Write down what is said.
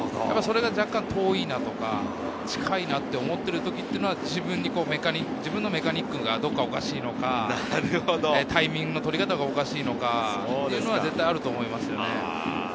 遠いとか近いと思っている時は自分のメカニックがどこかおかしいのか、タイミングの取り方がどこかおかしいのかというのがあると思います。